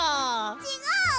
ちがう！